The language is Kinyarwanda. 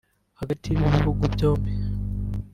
hagati y’ibi bihugu byombi